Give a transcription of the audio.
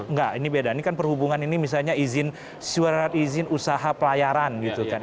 enggak ini beda ini kan perhubungan ini misalnya izin surat izin usaha pelayaran gitu kan